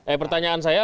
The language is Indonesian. eh pertanyaan saya